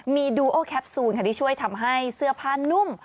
มีดูโอแคปซูลค่ะที่ช่วยทำให้เสื้อผ้านุ่ม